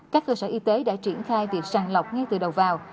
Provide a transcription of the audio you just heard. các cơ sở y tế đã triển khai việc sàng lọc ngay từ đầu vào